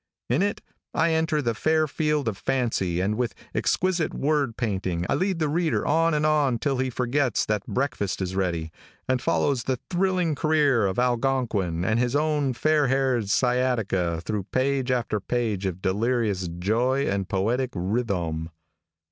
In it, I enter the fair field of fancy and with exquisite word painting, I lead the reader on and on till he forgets that breakfast is ready, and follows the thrilling career of Algonquin and his own fair haired Sciataca through page after page of delirious joy and poetic rithum.